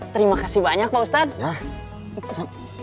terima kasih banyak pak ustadz